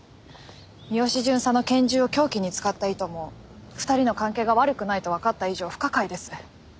三好巡査の拳銃を凶器に使った意図も２人の関係が悪くないとわかった以上不可解です。